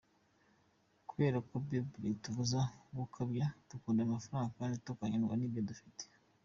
Kubera ko bible itubuza gukabya gukunda amafaranga kandi tukanyurwa n’ibyo dufite.